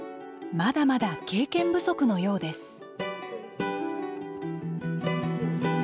まだまだ経験不足のようです。